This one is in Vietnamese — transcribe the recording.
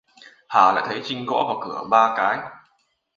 Hà lại thấy Trinh Gõ vào Cửa ba cái